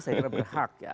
saya kira berhak ya